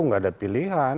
tidak ada pilihan